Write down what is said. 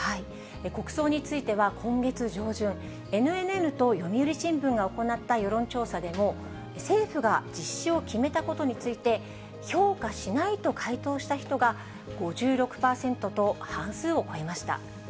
国葬については、今月上旬、ＮＮＮと読売新聞が行った世論調査でも、政府が実施を決めたことについて、評価しないと回答した人が５６％と半数を超えました。